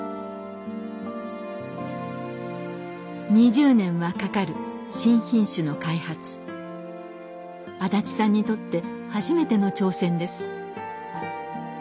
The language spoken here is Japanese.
２０年はかかる新品種の開発安達さんにとって初めての挑戦です。